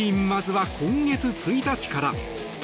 まずは今月１日から。